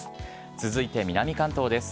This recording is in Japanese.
続いて南関東です。